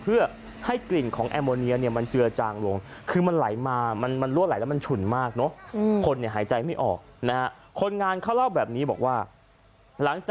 เพื่อให้กลิ่นของแอร์โมเนียเนี่ยมันเจือจางลง